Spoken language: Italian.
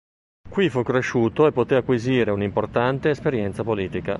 Qui fu cresciuto e poté acquisire un'importante esperienza politica.